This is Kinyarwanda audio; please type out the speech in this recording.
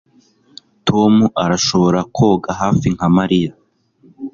Tom arashobora koga hafi nka Mariya